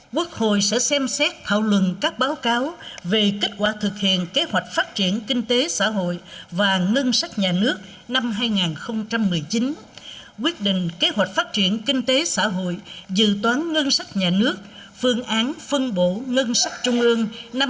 quốc hội sẽ xem xét thảo luận các báo cáo về kết quả thực hiện kế hoạch phát triển kinh tế xã hội và ngân sách nhà nước năm hai nghìn một mươi chín quyết định kế hoạch phát triển kinh tế xã hội dự toán ngân sách nhà nước phương án phân bổ ngân sách trung ương năm hai nghìn hai mươi